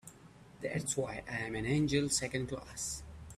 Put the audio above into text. That's why I'm an angel Second Class.